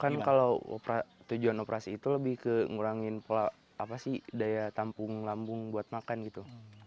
kan kalau tujuan operasi itu lebih ke ngurangin pola apa sih daya tampung lambung buat makan gitu